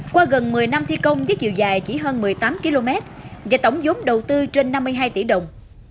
qua gần một mươi năm thi công với chiều dài chỉ hơn một mươi tám km và tổng giống đầu tư trên năm mươi hai tỷ đồng